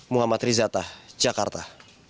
muhammad rizata jakarta